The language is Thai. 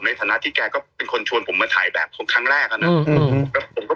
ในฐานะที่แกก็เป็นคนชวนผมมาถ่ายแบบครั้งแรกอะนะ